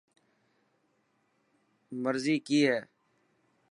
مرضي ڪئي هي؟